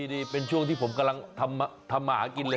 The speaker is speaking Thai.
นี่เป็นช่วงที่ผมกำลังทำมาหากินเลย